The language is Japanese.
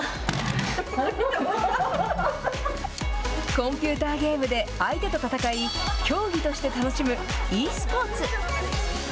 コンピューターゲームで相手と戦い、競技として楽しむｅスポーツ。